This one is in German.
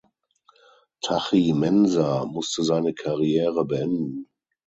Tachie-Mensah musste seine Karriere beenden.